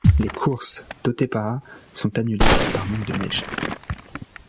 Les courses d'Otepää sont annulées par manque de neige.